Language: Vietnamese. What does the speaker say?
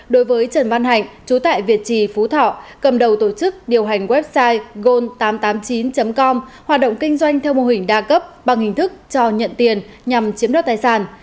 đối với trần văn hạnh chú tại việt trì phú thọ cầm đầu tổ chức điều hành website gồm tám trăm tám mươi chín com hoạt động kinh doanh theo mô hình đa cấp bằng hình thức cho nhận tiền nhằm chiếm đoạt tài sản